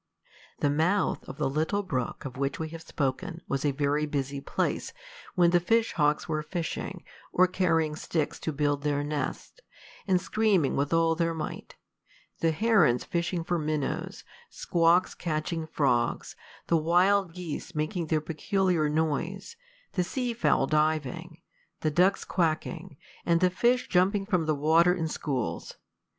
The mouth of the little brook of which we have spoken was a very busy place when the fish hawks were fishing, or carrying sticks to build their nests, and screaming with all their might, the herons fishing for minnows, squawks catching frogs, the wild geese making their peculiar noise, the sea fowl diving, the ducks quacking, and the fish jumping from the water in schools.